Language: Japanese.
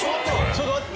ちょっと待って。